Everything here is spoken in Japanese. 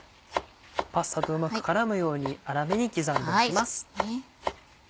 パスタとうまく絡むように粗めに刻んでいきます。